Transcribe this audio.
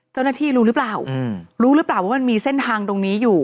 เจ้าหน้าที่รู้หรือเปล่ารู้หรือเปล่าว่ามันมีเส้นทางตรงนี้อยู่